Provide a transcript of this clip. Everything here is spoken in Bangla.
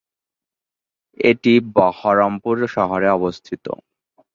এটি বহরমপুর শহরে অবস্থিত।